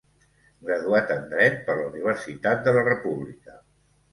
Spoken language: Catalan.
Graduat en Dret per la Universitat de la República.